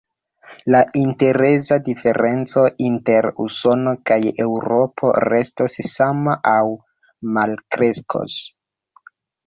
La intereza diferenco inter Usono kaj Eŭropo restos sama aŭ malkreskos.